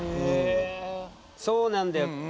そうなんだよ。